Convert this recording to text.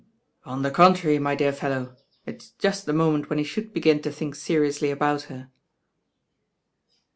"On the contrary, my dear fellow, it*s just the moment when he should begin to think seriously about her."